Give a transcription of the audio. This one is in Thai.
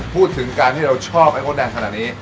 พูดถึงการที่เราชอบไอ้มดแดงขนาดนี้